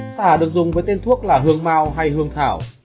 xả được dùng với tên thuốc là hương mao hay hương thảo